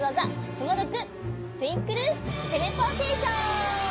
その６トゥインクルテレポーテーション。